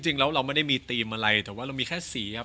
จริงแล้วเราไม่ได้มีธีมอะไรแต่ว่าเรามีแค่สีครับ